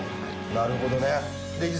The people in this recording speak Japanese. なるほどね。